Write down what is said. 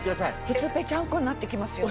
普通ぺちゃんこになってきますよね。